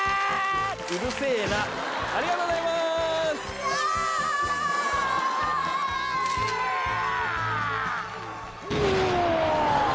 うるせえなありがとうございますわーっ！